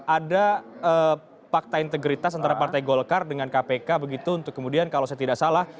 ada fakta integritas antara partai golkar dengan kpk begitu untuk kemudian kalau saya tidak salah